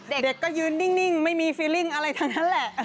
เด็กก็ยืนนิ่งไม่มีฟิลิ่งอะไรทั้งนั้นแหละ